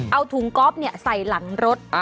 เอาถุงก๊อฟใส่หลังรถ